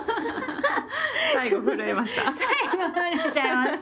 最後震えました？